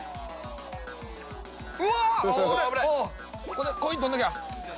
これコイン取らなきゃ。